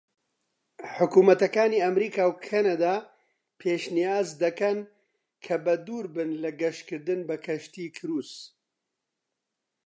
حکومەتەکانی ئەمەریکا و کەنەدا پێشنیاز دەکەن کە بە دووربن لە گەشتکردن بە کەشتی کروس.